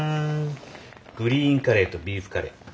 グリーンカレーとビーフカレー。